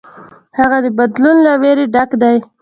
هغه د بدلون له ویرې ډک دی.